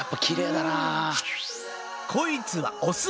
こいつはオス。